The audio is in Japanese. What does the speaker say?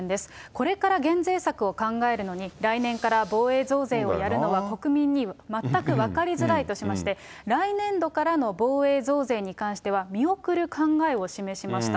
これから減税策を考えるのに、来年から防衛増税をやるのは、国民に全く分かりづらいとしまして、来年度からの防衛増税に関しては見送る考えを示しました。